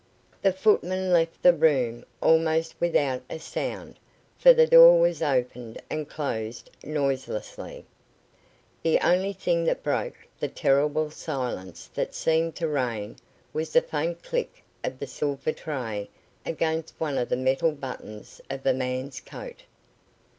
The footman left the room almost without a sound, for the door was opened and closed noiselessly. The only thing that broke the terrible silence that seemed to reign was the faint clink of the silver tray against one of the metal buttons of the man's coat.